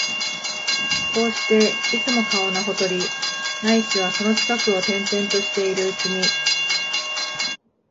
こうして、いつも川のほとり、ないしはその近くを転々としているうちに、